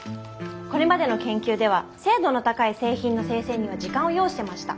これまでの研究では精度の高い製品の精製には時間を要してました。